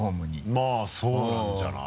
まぁそうなんじゃない？